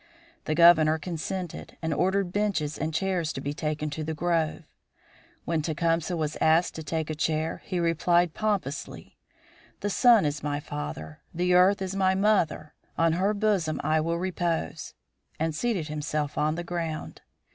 The Governor consented and ordered benches and chairs to be taken to the grove. When Tecumseh was asked to take a chair he replied pompously: "The sun is my father; the earth is my mother; on her bosom I will repose," and seated himself on the ground.